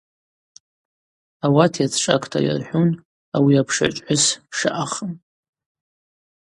Ауат йацшӏакӏта йырхӏвун ауи йапш гӏвычӏвгӏвыс шаъахым.